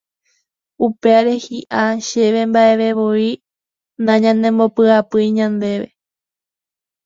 Upévare hi'ã chéve mba'evevoi nañandepy'apýi ñandéve